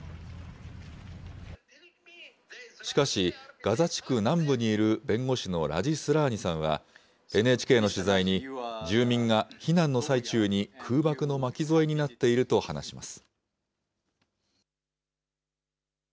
しかし、ガザ地区南部にいる弁護士のラジ・スラーニさんは、ＮＨＫの取材に、住民が避難の最中に空爆の巻き添えになっていると話します。